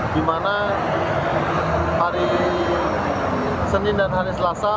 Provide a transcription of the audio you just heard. di mana hari senin dan hari selasa